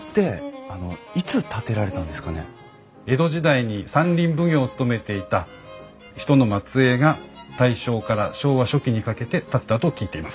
江戸時代に山林奉行を務めていた人の末えいが大正から昭和初期にかけて建てたと聞いています。